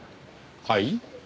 はい？